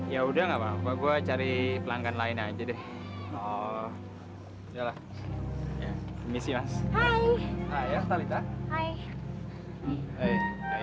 ya udah nggak apa apa gua cari pelanggan lain aja deh oh ya lah misi hai ayah talita hai